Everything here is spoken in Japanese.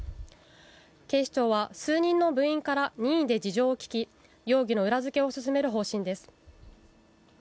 警視庁は数人の部員から任意で事情を聴き容疑の裏づけを進める方針です。